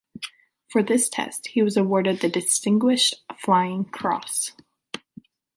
For this test he was awarded the Distinguished Flying Cross.